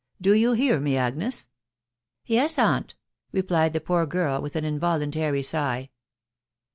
Do you hear me, Agnes ?"" Yes, aunt/' replied the poor girl with an involuntary sigh.